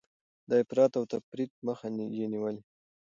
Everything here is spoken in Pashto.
د افراط او تفريط مخه يې نيولې.